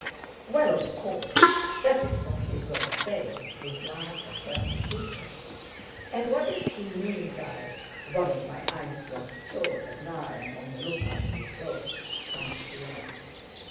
"Well, of course! That's what we were saying," replied the first speaker. "And what does he mean by 'One of my eyes was sore but now I am on the lookout with both'?" asked Pierre.